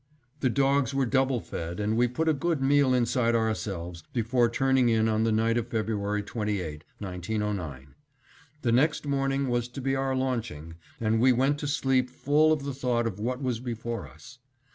The dogs were double fed and we put a good meal inside ourselves before turning in on the night of February 28, 1909. The next morning was to be our launching, and we went to sleep full of the thought of what was before us.